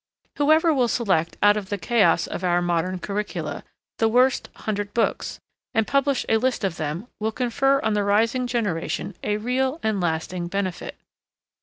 Whoever will select out of the chaos of our modern curricula 'The Worst Hundred Books,' and publish a list of them, will confer on the rising generation a real and lasting benefit.